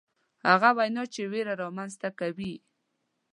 هغه وینا چې ویره رامنځته کوي.